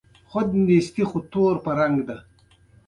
څه ټکه راپرېوته.